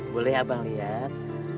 boleh abang lihat